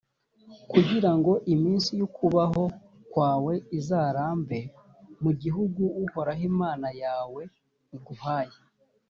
kugira ngo iminsi y’ukubaho kwawe izarambe mu gihugu uhoraho imana yawe aguhaye.